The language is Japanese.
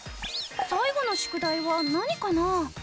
最後の宿題は何かな？